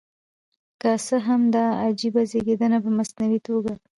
که څه هم دا عجیب زېږېدنه په مصنوعي توګه.